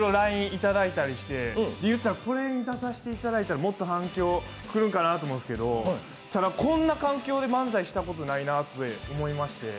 いただいたりしていったらこれに出させてもらったらもっと反響来るんかなと思うんですけど、こんな環境で漫才したことないなって思いまして。